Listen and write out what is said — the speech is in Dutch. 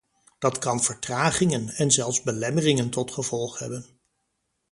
Dat kan vertragingen, en zelfs belemmeringen tot gevolg hebben.